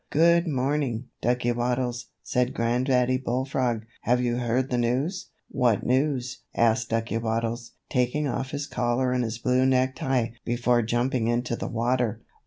"Good morning, Ducky Waddles," said Granddaddy Bullfrog. "Have you heard the news?" "What news?" asked Ducky Waddles, taking off his collar and his blue necktie before jumping into the water.